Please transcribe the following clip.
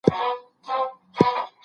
د څیړنې هره مرحله د نوښت غوښتنه کوي.